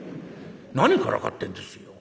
「何をからかってんですよ！